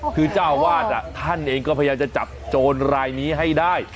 คือเจ้าวาดท่านเองก็พยายามจะจับโจรรายนี้ให้ได้